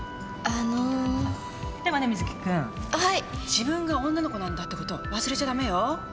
自分が女の子なんだってこと忘れちゃ駄目よ。